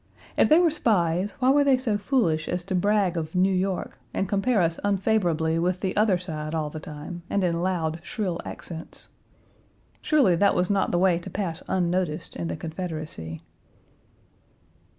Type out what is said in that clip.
If they were spies why were they so foolish as to brag of New York, and compare us unfavorably with the other side all the time, and in loud, shrill accents? Surely that was not the way to pass unnoticed in the Confederacy.